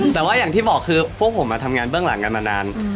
แต่ว่าอย่างที่บอกคือพวกผมทำงานเบื้องหลังกันมานาน